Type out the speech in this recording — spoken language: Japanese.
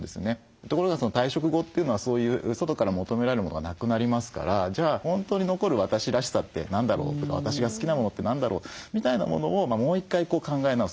ところが退職後というのはそういう外から求められるものがなくなりますからじゃあ本当に残る私らしさって何だろう？とか私が好きなものって何だろう？みたいなものをもう１回考え直す。